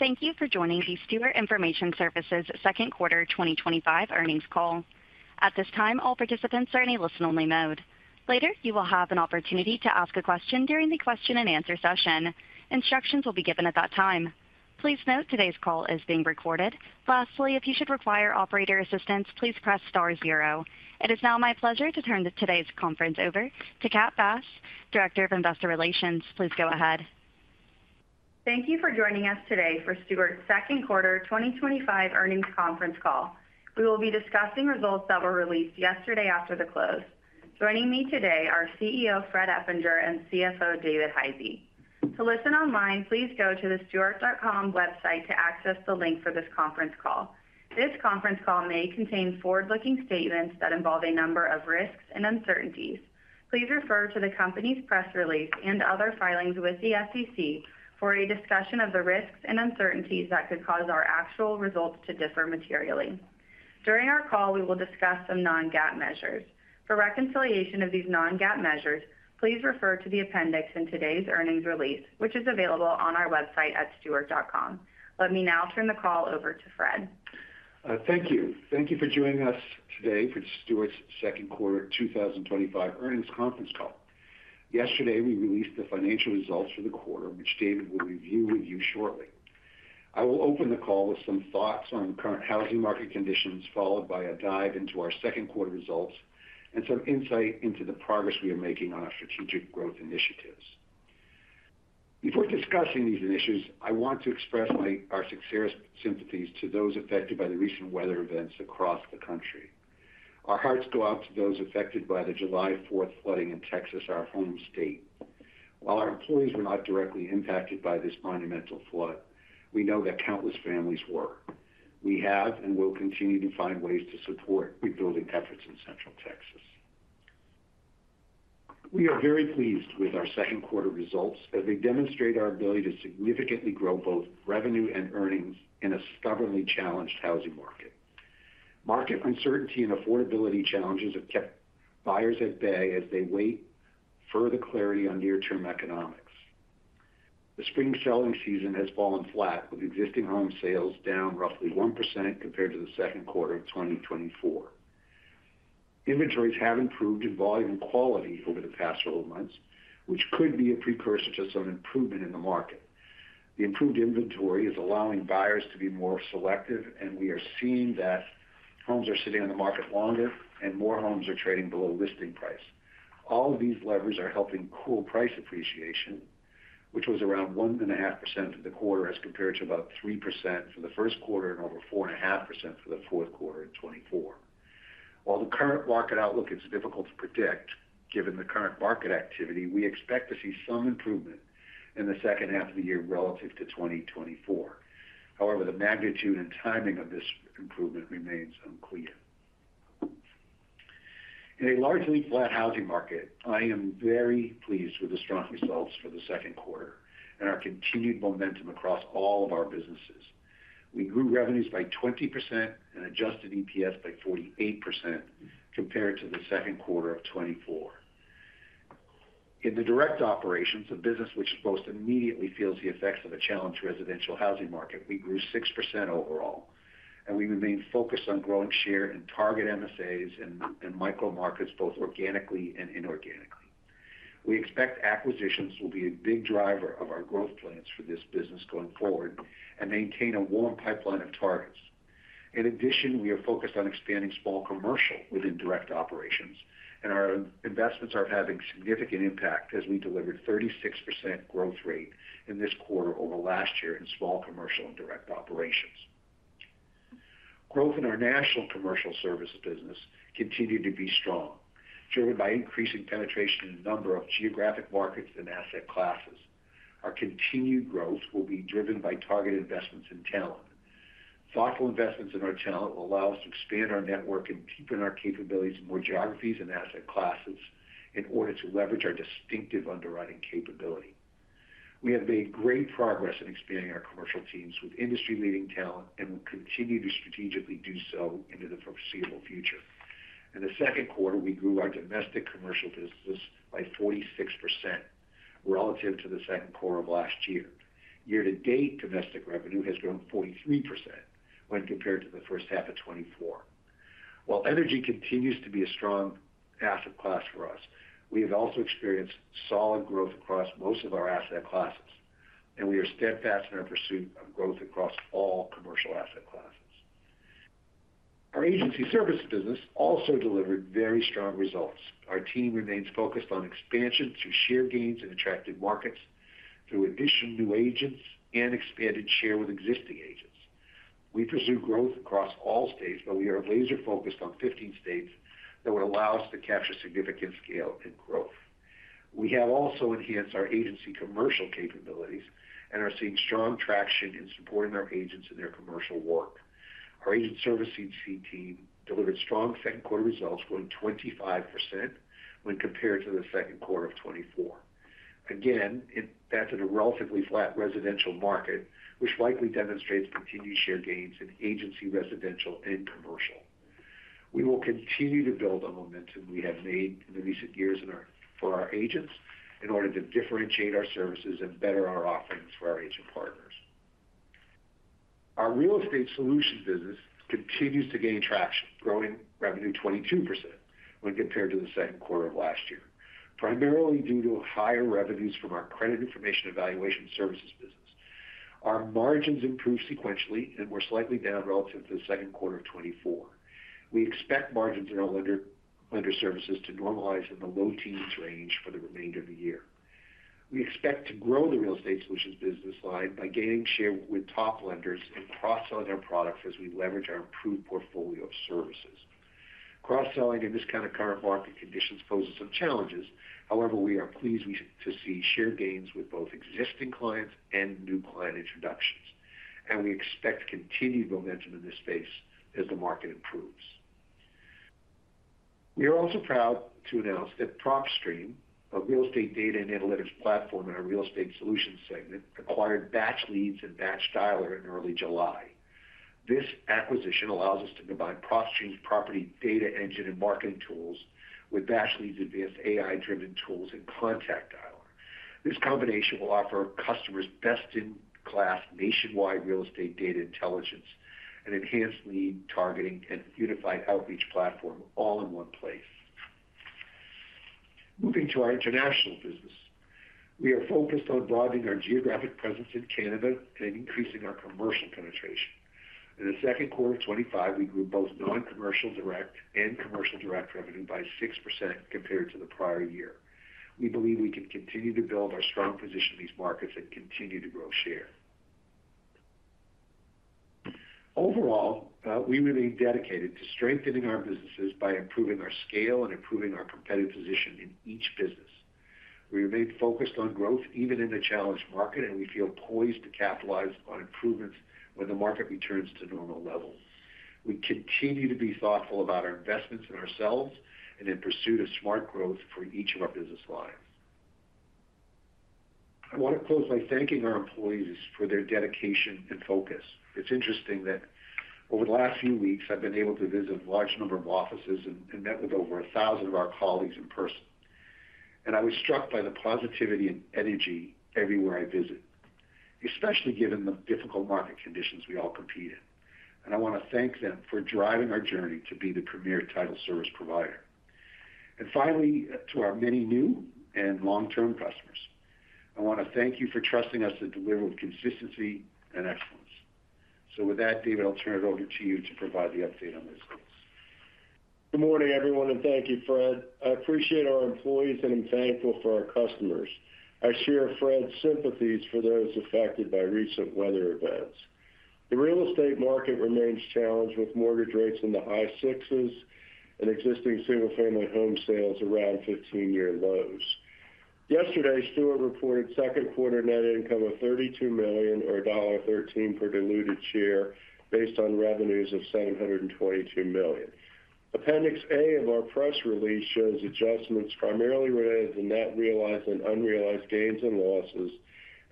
Thank you for joining the Stewart Information Services second quarter 2025 earnings call. At this time, all participants are in a listen-only mode. Later, you will have an opportunity to ask a question during the question and answer session. Instructions will be given at that time. Please note today's call is being recorded. Lastly, if you require operator assistance, please press STAR zero. It is now my pleasure to turn today's conference over to Kat Bass, Director of Investor Relations. Please go ahead. Thank you for joining us today for Stewart's second quarter 2025 earnings conference call. We will be discussing results that were released yesterday after the close. Joining me today are CEO Fred Eppinger and CFO David Hisey. To listen online, please go to the stewart.com website to access the link for this conference call. This conference call may contain forward-looking statements that involve a number of risks and uncertainties. Please refer to the company's press release and other filings with the SEC for a discussion of the risks and uncertainties that could cause our actual results to differ materially. During our call we will discuss some non-GAAP measures. For reconciliation of these non-GAAP measures, please refer to the appendix in today's earnings release, which is available on our website at stewart.com. Let me now turn the call. Over to Fred, Thank you. Thank you for joining us today for Stewart's second quarter 2025 earnings conference call. Yesterday we released the financial results for the quarter, which David will review with you shortly. I will open the call with some thoughts on current housing market conditions, followed by a dive into our second quarter results and some insight into the progress we are making on our strategic growth initiatives. Before discussing these initiatives, I want to express our sincerest sympathies to those affected by the recent weather events across the country. Our hearts go out to those affected by the July 4th flooding in Texas, our home state. While our employees were not directly impacted by this monumental flood, we know that countless families were. We have and will continue to find ways to support rebuilding efforts in Central Texas. We are very pleased with our second quarter results as they demonstrate our ability to significantly grow both revenue and earnings in a stubbornly challenged housing market. Market uncertainty and affordability challenges have kept buyers at bay as they wait for further clarity on near term economics. The spring selling season has fallen flat, with existing home sales down roughly 1% compared to the second quarter of 2024. Inventories have improved in volume and quality over the past several months, which could be a precursor to some improvement in the market. The improved inventory is allowing buyers to be more selective, and we are seeing that homes are sitting on the market longer and more homes are trading below listing price. All of these levers are helping cool price appreciation, which was around 1.5% for the quarter as compared to about 3% for the first quarter and over 4.5% for the fourth quarter in '24. While the current market outlook is difficult to predict, given the current market activity, we expect to see some improvement in the second half of the year relative to 2024. However, the magnitude and timing of this improvement remains unclear in a largely flat housing market. I am very pleased with the strong results for the second quarter and our continued momentum across all of our businesses. We grew revenues by 20% and adjusted EPS by 48% compared to second quarter of '24. In the direct operations, a business which most immediately feels the effects of a challenged residential housing market, we grew 6% overall, and we remain focused on growing share in target MSAs and micro markets both organically and inorganically. We expect acquisitions will be a big driver of our growth plans for this business going forward and maintain a warm pipeline of targets. In addition, we are focused on expanding small commercial within direct operations, and our investments are having significant impact. As we delivered 36% growth rate in this quarter over last year in small commercial and direct operations, growth in our national commercial services business continued to be strong, driven by increasing penetration in a number of geographic markets and asset classes. Our continued growth will be driven by targeted investments in talent. Thoughtful investments in our talent will allow us to expand our network and deepen our capabilities in more geographies and asset classes in order to leverage our distinctive underwriting capability. We have made great progress in expanding our commercial teams with industry-leading talent and will continue to strategically do so into the foreseeable future. In the second quarter, we grew our domestic commercial business by 46% relative to the second quarter of last year. Year to date, domestic revenue has grown 43% when compared to first half of '24. While energy continues to be a strong asset class for us, we have also experienced solid growth across most of our asset classes, and we are steadfast in our pursuit of growth across all commercial asset classes. Our agency services business also delivered very strong results. Our team remains focused on expansion through share gains in attractive markets through additional new agents and expanded share with existing agents. We pursue growth across all states, but we are laser focused on 15 states that would allow us to capture significant scale and growth. We have also enhanced our agency commercial capabilities and are seeing strong traction in supporting our agents in their commercial work. Our agency services team delivered strong second quarter results, growing 25% when compared to second quarter of 24'. Again, that's in a relatively flat residential market, which likely demonstrates continued share gains in agency, residential, and commercial. We will continue to build the momentum we have made in recent years for our agents in order to differentiate our services and better our offerings for our agent partners. Our real estate solutions business continues to gain traction, growing revenue 22% when compared to second quater last year, primarily due to higher revenues from our credit information evaluation services business. Our margins improved sequentially and were slightly down relative to second quater '24. We expect margins in our lender services to normalize in the low teens range for the remainder of the year. We expect to grow the real estate solutions business line by gaining share with top lenders and cross selling our products as we leverage our improved portfolio of services. Cross selling in this kind of current market conditions poses some challenges. However, we are pleased to see share gains with both existing clients and new client introductions, and we expect continued momentum in this space as the market improves. We are also proud to announce that PropStream, a real estate data and analytics platform in our real estate solutions segment, acquired Batch Leads and Batch Dialer in early July. This acquisition allows us to combine PropStream's property data engine and marketing tools with Batch Leads' advanced AI-driven tools and contact dialer. This combination will offer customers best-in-class nationwide real estate data intelligence and enhanced lead targeting and unified outreach platform all in one place. Moving to our international business, we are focused on broadening our geographic presence in Canada and increasing our commercial penetration. In second quater '25, we grew both non-commercial direct and commercial direct revenue by 6% compared to the prior year. We believe we can continue to build our strong position in these markets and continue to grow share. Overall, we remain dedicated to strengthening our businesses by improving our scale and improving our competitive position in each business. We remain focused on growth even in the challenged market, and we feel poised to capitalize on improvements when the market returns to normal level. We continue to be thoughtful about our investments in ourselves and in pursuit of smart growth for each of our business lines. I want to close by thanking our employees for their dedication and focus. It's interesting that over the last few weeks I've been able to visit a large number of offices and met with over a thousand of our colleagues in person. I was struck by the positivity and energy everywhere I visit, especially given the difficult market conditions we all compete in. I want to thank them for driving our journey to be the premier title service provider. Finally, to our many new and long term customers, I want to thank you for trusting us to deliver with consistency and excellence. With that, David, I'll turn it over to you to provide the update on those things. Good morning everyone and thank you Fred. I appreciate our employees and I'm thankful for our customers. I share Fred's sympathies for those affected by recent weather events. The real estate market remains challenged with mortgage rates in the high sixes and existing single family home sales around 15-year lows. Yesterday, Stewart reported second quarter net income of $32 million or $1.13 per diluted share based on revenues of $722 million. Appendix A of our press release shows adjustments primarily related to net realized and unrealized gains and losses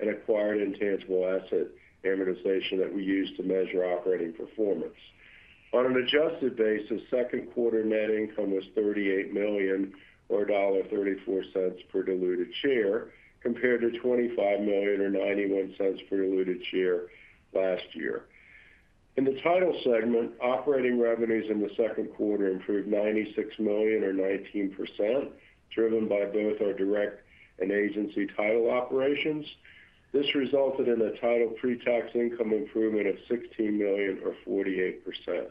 and acquired intangible asset amortization that we use to measure operating performance on an adjusted basis. Second quarter net income was $38 million or $1.34 per diluted share compared to $25 million or $0.91 per diluted share last year. In the title segment, operating revenues in the second quarter improved $96 million or 19%, driven by both our direct and agency title operations. This resulted in a title pre-tax income improvement of $16 million or 48%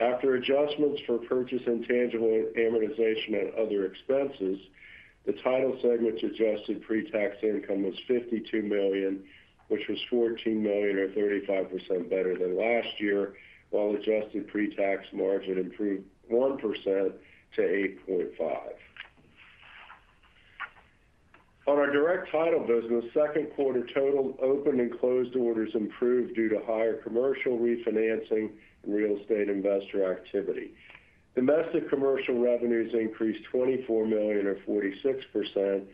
after adjustments for purchase, intangible, amortization and other expenses. The title segment adjusted pre-tax income was $52 million, which was $14 million or 35% better than last year, while adjusted pre-tax margin improved 1% to 8.5%. On our direct title business, second quarter total open and closed orders improved due to higher commercial refinancing and real estate investor activity. Domestic commercial revenues increased $24 million or 46% due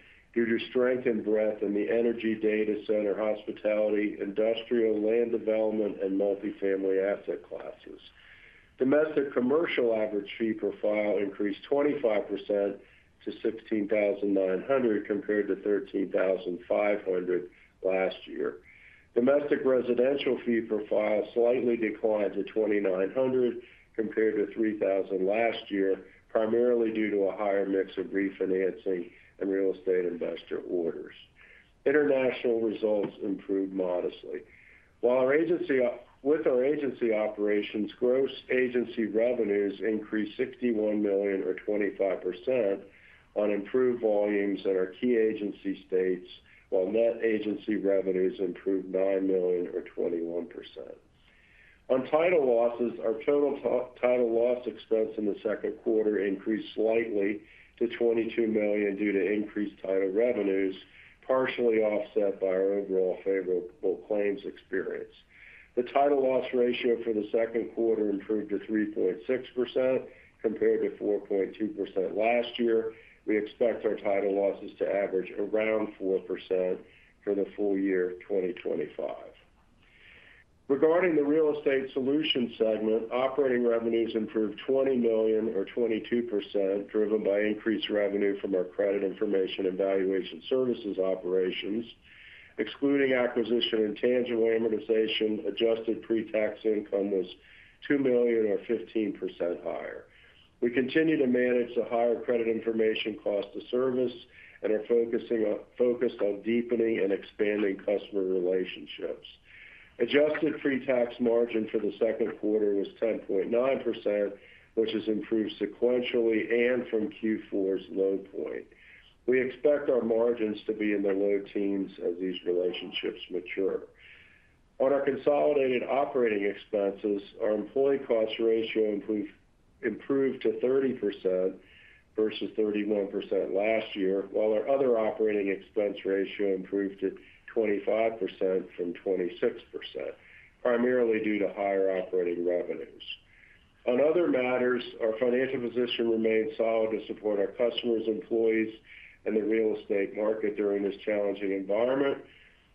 to strength and breadth in the energy, data center, hospitality, industrial, land development and multifamily asset class. Domestic commercial average fee per file increased 25% to $16,900 compared to $13,500 last year. Domestic residential fee per file slightly declined to $2,900 compared to $3,000 last year, primarily due to a higher mix of refinancing and real estate investor orders. International results improved modestly. With our agency operations, gross agency revenues increased $61 million or 25% on improved volumes in our key agency states, while net agency revenues improved $9 million or 21%. On title losses, our total title loss expense in the second quarter increased slightly to $22 million due to increased title revenues, partially offset by our overall favorable claims experience. The title loss ratio for the second quarter improved to 3.6% compared to 4.2% last year. We expect our title losses to average around 4% for the full year 2025. Regarding the Real Estate Solutions segment, operating revenues improved $20 million or 22%, driven by increased revenue from our credit information and valuation services operations. Excluding acquisition and tangible amortization, adjusted pretax income was $2 million or 15% higher. We continue to manage the higher credit information cost of service and are focused on deepening and expanding customer relationships. Adjusted pretax margin for the second quarter was 10.9%, which has improved sequentially and from Q4's low point. We expect our margins to be in the low teens as these relationships mature. On our consolidated operating expenses, our employee cost ratio improved to 30% versus 31% last year, while our other operating expense ratio improved to 25% from 26%, primarily due to higher operating revenues. On other matters, our financial position remains solid to support our customers, employees, and the real estate market. During this challenging environment,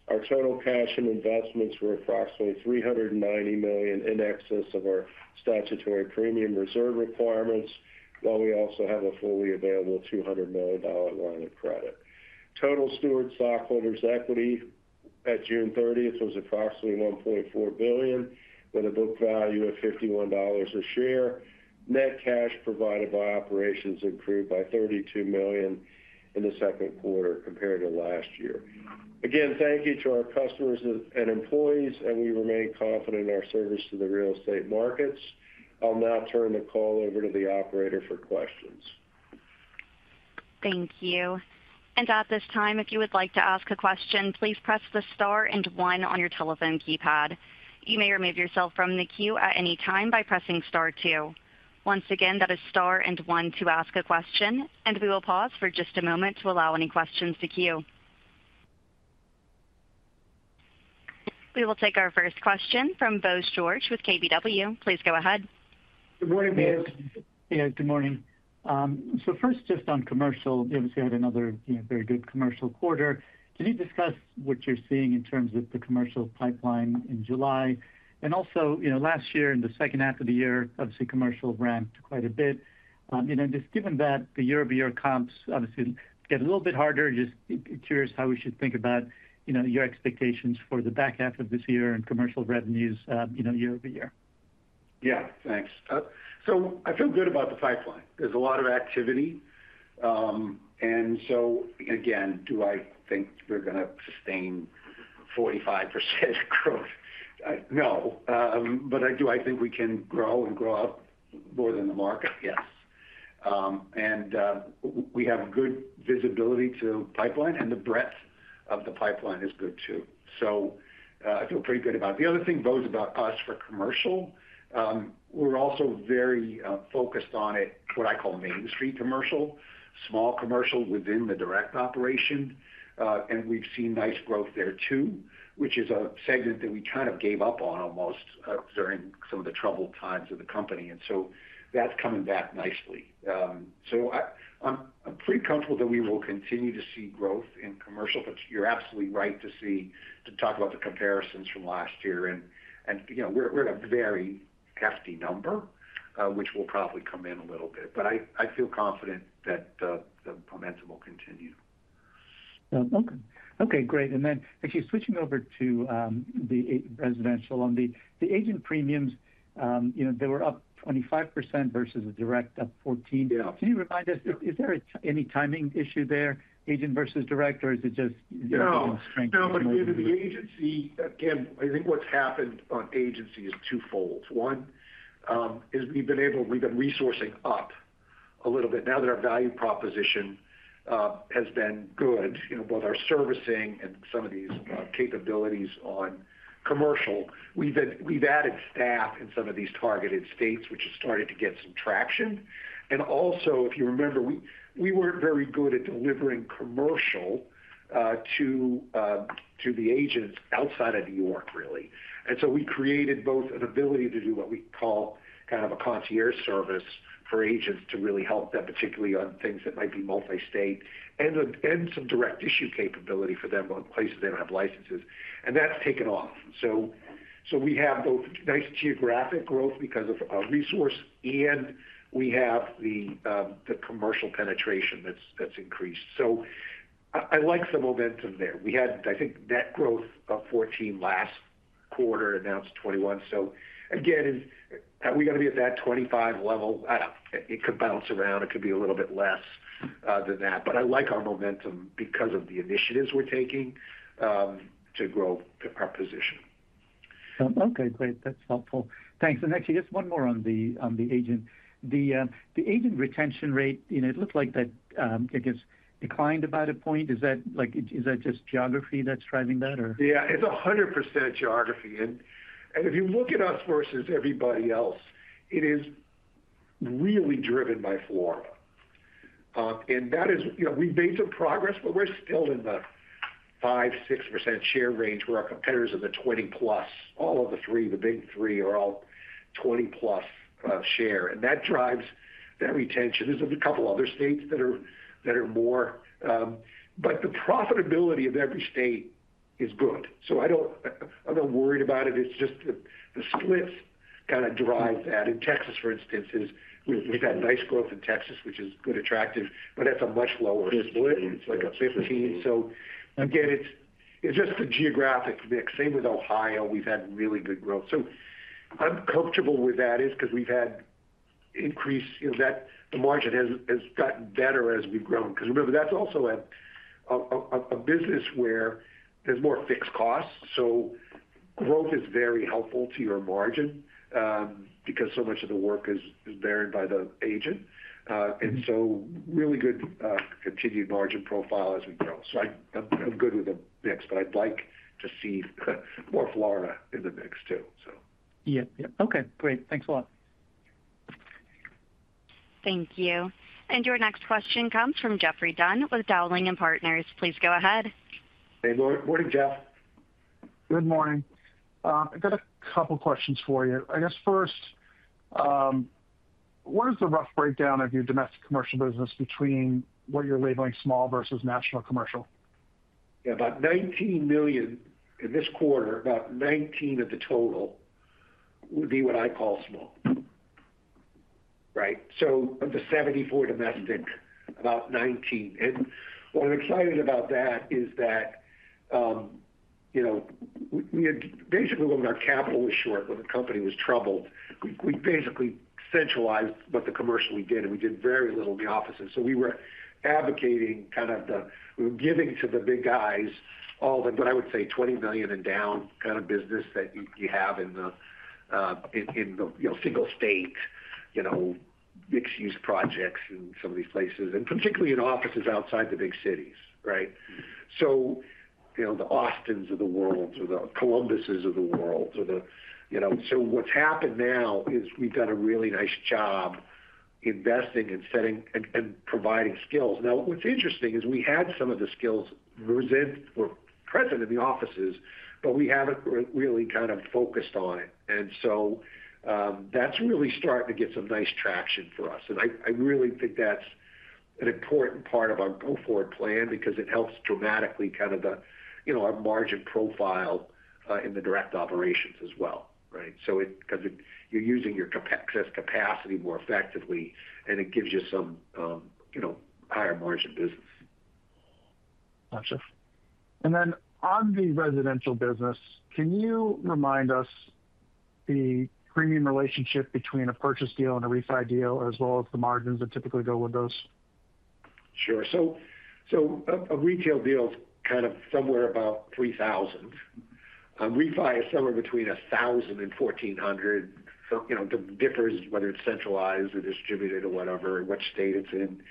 our total cash and investments were approximately $390 million in excess of our statutory premium reserve requirements, while we also have a fully available $200 million line of credit. Total Stewart stockholders' equity at June 30 was approximately $1.4 billion with a book value of $51 a share. Net cash provided by operations improved by $32 million in the second quarter compared to last year. Again, thank you to our customers and employees, and we remain confident in our service to the real estate markets. I'll now turn the call over to the operator for questions. Thank you. At this time, if you would like to ask a question, please press the STAR and one on your telephone keypad. You may remove yourself from the queue at any time by pressing STAR two. Once again, that is STAR and one to ask a question. We will pause for just a moment to allow any questions to queue. We will take our first question from Bose George with KBW. Please go ahead. Good morning. Good morning. First, just on commercial, you obviously had another very good commercial quarter. Can you discuss what you're seeing in terms of the commercial pipeline in July and also, you know, last year, in the second half of the year, obviously commercial ramped quite a bit. Just given that the year over year comps obviously get a little bit harder, just curious how we should think about your expectations for the back half of this year and commercial revenues year over year. Yeah, thanks. I feel good about the pipeline. There's a lot of activity, and again, do I think we're going to sustain 45% growth? No. Do I think we can grow and grow up more than the market? Yes. We have good visibility to pipeline, and the breadth of the pipeline is good too. I feel pretty good about it. The other thing about us for commercial, we're also very focused on it, what I call main street commercial, small commercial within the direct operation. We've seen nice growth there too, which is a segment that we kind of gave up on almost during some of the troubled times of the company. That's coming back nicely. I'm pretty comfortable that we will continue to see growth in commercial. You're absolutely right to talk about the comparisons from last year, and we're at a very hefty number which will probably come in a little bit. I feel confident that the momentum will continue. Okay, great. Actually, switching over to the residential on the agent premiums, you know, they were up 25% versus direct up 14%. Can you remind us, is there any timing issue there, agent versus direct, or is it just the agency? Again, I think what's happened on agency is twofold. One is we've been able, we've been resourcing up a little bit now that our value proposition has been good. Both our servicing and some of these capabilities on commercial. We've added staff in some of these targeted states, which has started to get some traction. Also, if you remember, we weren't very good at delivering commercial to the agents outside of New York really. We created both an ability to do what we call kind of a concierge service for agents to really help them, particularly on things that might be multi state, and some direct issue capability for them on places they don't have licenses, and that's taken off. We have both nice geographic growth because of resource, and we have the commercial penetration that's increased. I like the momentum there. We had, I think, net growth of 14 last quarter, announced 21. We got to be at that 25 level. It could bounce around, it could be a little bit less than that. I like our momentum because of the initiatives we're taking to grow our position. Okay, great, that's helpful, thanks. Actually, just one more on the agent retention rate. It looked like that declined about a point. Is that just geography that's driving that? Yeah, it's 100% geography. If you look at us versus everybody else, it is really driven by Florida and that is we've made some progress but we're still in the 5% to 6% share range where our competitors are the 20% plus. All of the big three are all 20% plus share and that drives that retention. There are a couple other states that are more, but the profitability of every state. I don't, I'm not worried about it. It's just the splits kind of drive that. In Texas, for instance, we've had nice growth in Texas, which is good, attractive, but that's a much lower split. It's like a 15%. It's just the geographic mix. Same with Ohio. We've had really good growth. I'm comfortable with that because we've had increase, the margin has gotten better as we've grown because remember that's also a business where there's more fixed costs. Growth is very helpful to your margin because so much of the work is borne by the agent and really good continued margin profile as we grow. I'm good with the mix, but I'd like to see more Florida in the mix too. Yeah, okay, great. Thanks a lot. Thank you. Your next question comes fromGeoffrey Dunn with Dowling & Partners. Please go ahead. Good morning. I got a couple of questions for you. I guess first, What is the rough. Breakdown of your domestic commercial business between what you're labeling small versus national commercial? About $19 million in this quarter. About $19 of the total would be what I call small. Right. So the $74 domestic, about $19. What I'm excited about is that, you know, we had basically, when our capital was short, when the company was troubled, we basically centralized what the commercial really did and we did very little in the offices. We were advocating kind of the, we were giving to the big guys all the, but I would say $20 million and down kind of business that you have in the, in the single state, you know, mixed use projects in some of these places and particularly in offices outside the big cities. Right. The Austin's of the world or the Columbuses of the world, you know. What's happened now is we've done a really nice job investing and setting and providing skills. What's interesting is we had some of the skills present in the offices but we haven't really kind of focused on it. That's really starting to get some nice traction for us. I really think that's an important part of our go forward plan because it helps dramatically. Kind of the, you know, our margin profile in the direct operations as well. It is because you're using your excess capacity more effectively and it gives you some, you know, higher margin business. Gotcha. On the residential business, can you remind us the premium relationship between a purchase deal and a refi deal as well as the margins that typically go with those? Sure. A retail deal is kind of somewhere about $3,000. Refi is somewhere between $1,000 and $1,400, differs whether it's centralized or distributed or whatever, what state it's in.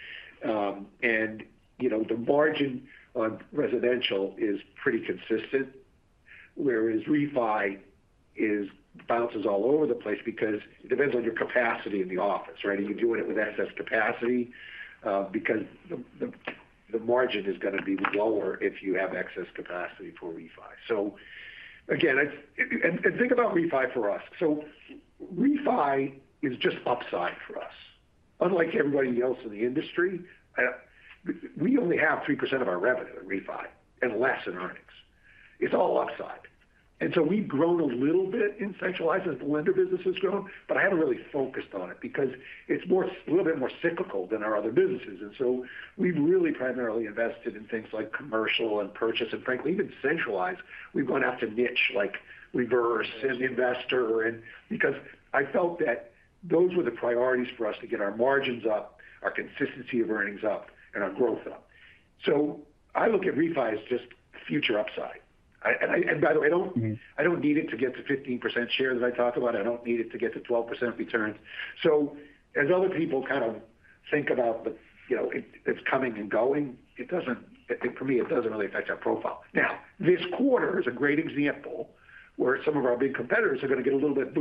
The margin on residential is pretty consistent, whereas refi bounces all over the place because it depends on your capacity in the office. Right. Are you doing it with excess capacity? The margin is going to be lower if you have excess capacity for refi. Again, think about refi for us. Refi is just upside for us. Unlike everybody else in the industry, we only have 3% of our revenue refi and less in earnings. It's all upside. We've grown a little bit in centralized as the lender business has grown. I haven't really focused on it because it's a little bit more cyclical than our other businesses. We've really primarily invested in things like commercial and purchase and frankly even centralized, we're going to have to niche like reverse and the investor. I felt that those were the priorities for us to get our margins up, our consistency of earnings up, and our growth up. I look at refi as just future upside. By the way, I don't need it to get to 15% share that I talked about. I don't need it to get to 12% returns. As other people kind of think about it's coming and going, it doesn't for me, it doesn't really affect our profile. This quarter is a great example where some of our big competitors are going to get a little bit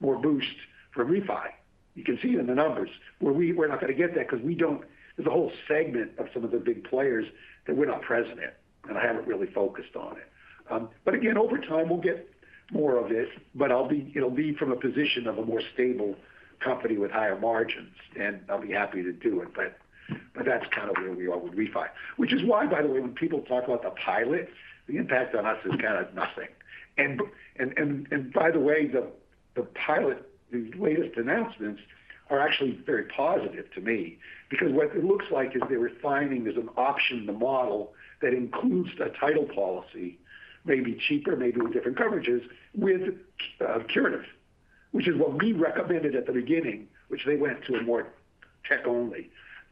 more boost from refi. You can see it in the numbers where we're not going to get that because we don't. There's a whole segment of some of the big players that we're not present in. I haven't really focused on it. Over time we'll get more of this, but it'll be from a position of a more stable company with higher margins and I'll be happy to do it. That's kind of where we are with refi. Which is why, by the way, when people talk about the pilot, the impact on us is kind of nothing and by the way, the pilot, the latest announcements are actually very positive to me because what it looks like is they're refining as an option the model that includes a title policy, maybe cheaper, maybe with different coverages, with curative, which is what we recommended at the beginning, which they went to a more tech only.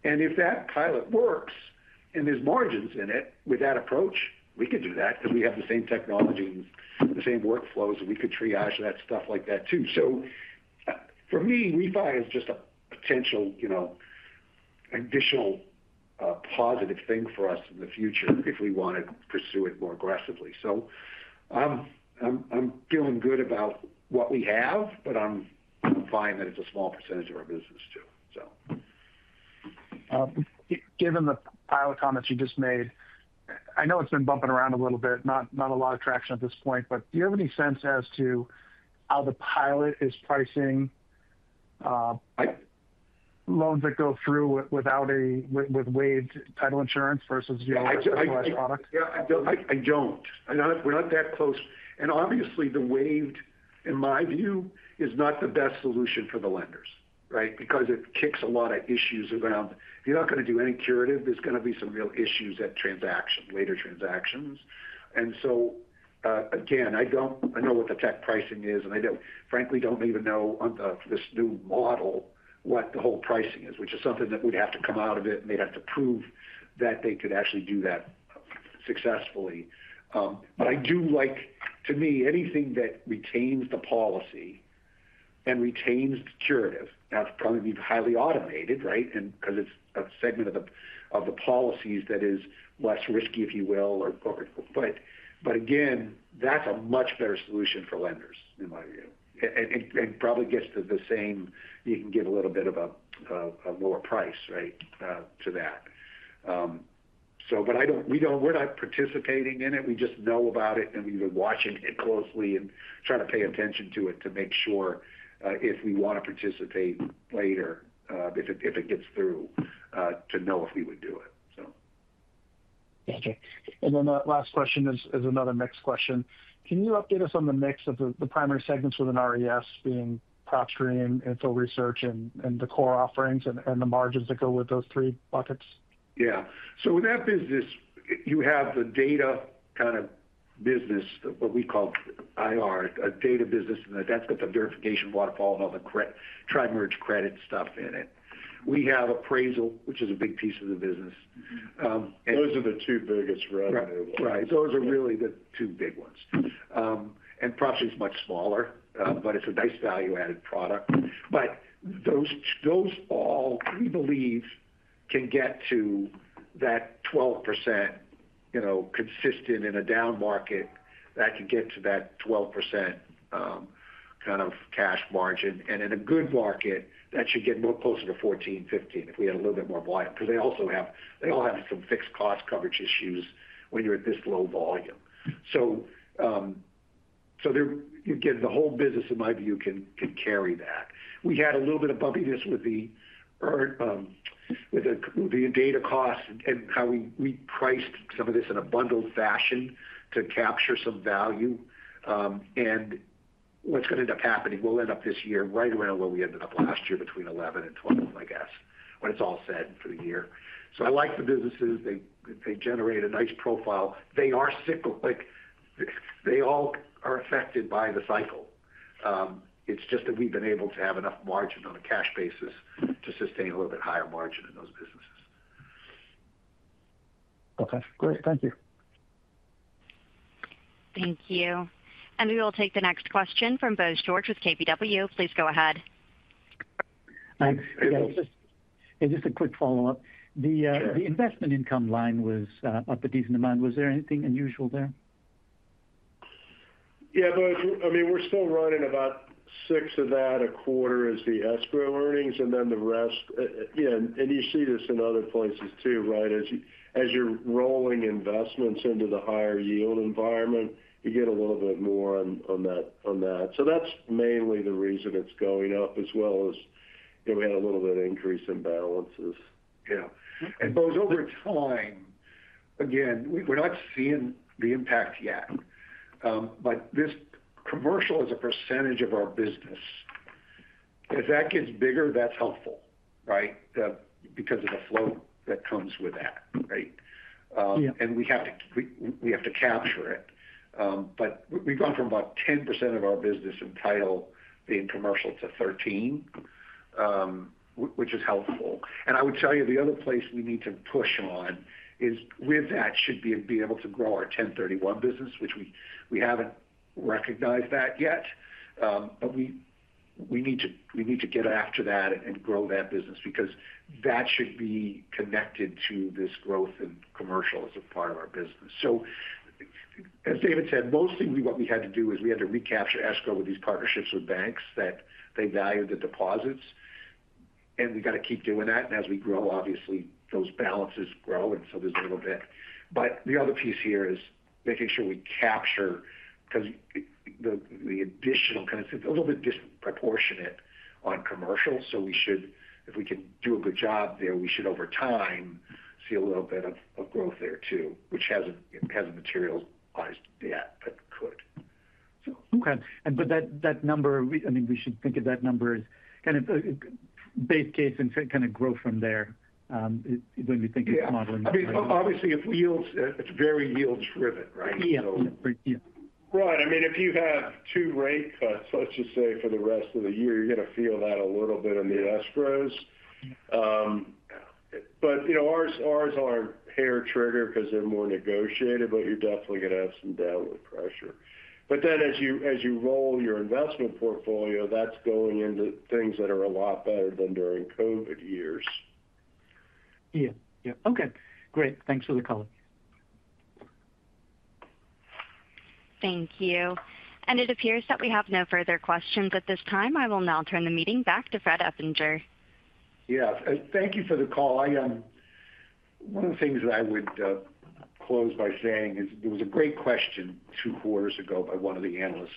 If that pilot works and there's margins in it with that approach, we could do that because we have the same technology and the same workflows. We could triage that stuff like that too. For me, refi is just a potential, you know, additional positive thing for us in the future if we want to pursue it more aggressively. I'm feeling good about what we have, but I'm fine that it's a small percentage of our business too. Given the pilot comments you just made, I know it's been bumping around a little bit. Not a lot of traction at this point. Do you have any sense as to how the pilot is pricing loans that go through with waived title insurance versus product? Yeah, I don't know if we're not that close, and obviously the waived, in my view, is not the best solution for the lenders, right, because it kicks a lot of issues around. If you're not going to do any curative, there's going to be some real issues at transaction, later transactions. I know what the tech pricing is, and I frankly don't even know this new model, what the whole pricing is, which is something that would have to come out of it, and they'd have to prove that they could actually do that successfully. To me, anything that retains the policy and retains the curative, that's probably highly automated, right, because it's a segment of the policies that is less risky, if you will. That's a much better solution for lenders, in my view, and probably gets to the same. You can give a little bit of a lower price to that. So. We are not participating in it. We just know about it and we've been watching it closely and try to pay attention to it to make sure if we want to participate later, if it gets through, to know if we would do it. Thank you. Could you update us on the mix of the primary segments within RES being PropStream, Info Research, and the core offerings, and the margins that go with those three? Yeah. With that business, you have the data kind of business, what we call it a data business that's got the verification waterfall and all the tri-merge credit stuff in it. We have appraisal, which is a big piece of the business. Those are the two biggest revenue. Right. Those are really the two big ones. Profit is much smaller, but it's a nice value-added product. Those all, we believe, can get to that 12% consistent in a down market, that can get to that 12% kind of cash margin. In a good market, that should get more closer to 14%, 15% if we had a little bit more volume because they all have some fixed cost coverage issues when you're at this low volume. The whole business, in my view, can carry that. We had a little bit of bumpiness with the data costs and how we priced some of this in a bundled fashion to capture some value. What's going to end up happening, we'll end up this year right around where we ended up last year, between 11% and 12%, I guess, when it's all said for the year. I like the businesses, they generate a nice profile, they are cyclical, they all are affected by the cycle. We've been able to have enough margin on a cash basis to sustain a little bit higher margin in those businesses. Okay, great. Thank you. Thank you. We will take the next question from Bose George with KBW, please go ahead. Just a quick follow-up. The investment income line was up a decent amount. Was there anything unusual there? Yeah, I mean we're still running about $6 million of that a quarter as the escrow earnings and then the rest. You see this in other places too, right? As you're rolling investments into the higher yield environment, you get a little bit more on that. That's mainly the reason it's going up, as well as we had a little bit of increase in balances. Yeah. Both over time, we're not seeing the impact yet. This commercial as a % of our business, if that gets bigger, that's helpful, right, because of the flow that comes with that and we have to capture it. We've gone from about 10% of our business in title being commercial to 13%, which is helpful. I would tell you the other place we need to push on is that we should be able to grow our 1031 business, which we haven't recognized yet. We need to get after that and grow that business because that should be connected to this growth in commercial as a part of our business. As David said, mostly what we had to do is recapture escrow with these partnerships with banks that value the deposits, and we got to keep doing that. As we grow, obviously those balances grow. There's a little bit, but the other piece here is making sure we capture because the additional kind of a little bit disproportionate on commercial. If we can do a good job there, we should over time see a little bit of growth there too, which hasn't materialized yet, but could. Okay, that number, I mean we should think of that number as kind of base case and kind of grow from there. When you think of modeling, obviously if yields, it's very yield driven, right? Yeah. Right. If you have two rate cuts, let's just say for the rest of the year you're going to feel that a little bit in the escrows. Ours are hair trigger because they're more negotiated. You're definitely going to have some downward pressure. As you roll your investment portfolio, that's going into things that are a lot better than during COVID years. Yeah. Okay, great. Thanks for the color. Thank you. It appears that we have no further questions at this time. I will now turn the meeting back to Fred Eppinger. Thank you for the call. One of the things that I would. Close by saying there was a great. Question 2,4 years ago by one of the analysts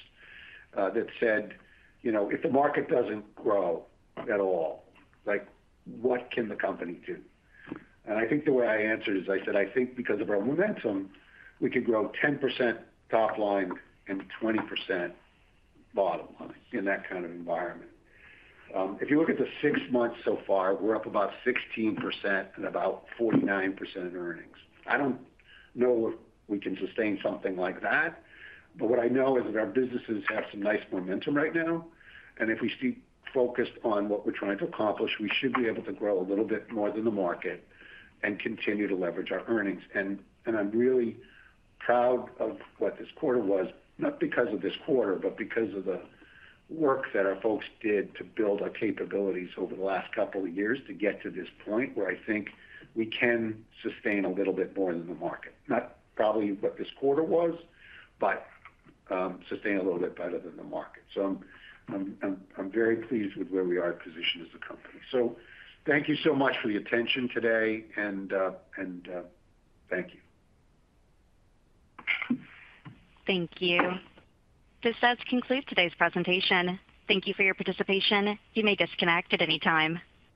that said, you know, if the market doesn't grow at all, like what can the company do? I think the way I answered is, I said, I think because of our momentum, we could grow 10% top line and 20% bottom line. In that kind of environment, if you look at the six months so far, we're up about 16% and about 49% in earnings. I don't know if we can sustain something like that, but what I know is that our businesses have some nice momentum right now and if we stay focused on what we're trying to accomplish, we should be able to grow a little bit more than the market and continue to leverage our earnings. I'm really proud of what this quarter was, not because of this quarter, but because of the work that our folks did to build our capabilities over the last couple of years to get to this point where I think we can sustain a little bit more than the market, not probably what this quarter was, but sustain a little bit better than the market. I'm very pleased with where we are positioned as a company. Thank you so much for your attention today and thank you. Thank you. This does conclude today's presentation. Thank you for your participation. You may disconnect at any time.